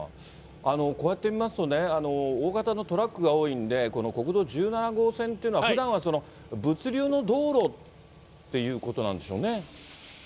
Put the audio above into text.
こうやって見ますと、大型のトラックが多いんで、この国道１７号線というのは、ふだんは物流の道路っていうことなんでしょうね。